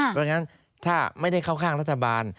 เพราะฉะนั้นถ้าไม่ได้เข้าข้างรัฐบาล